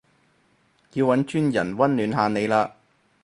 要搵專人溫暖下你嘞